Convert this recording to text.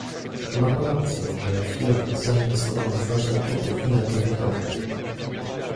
Ma Pan rację, że w Chinach zainwestowano znaczne kwoty w energię wiatrową